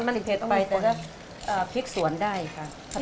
มันเผ็ดไปแต่จะพริกสวนได้ค่ะ